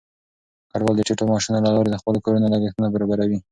کډوال د ټیټو معاشونو له لارې د خپلو کورونو لګښتونه برابروي.